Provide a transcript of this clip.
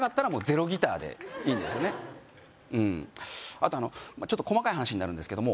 あとあのちょっと細かい話になるんですけども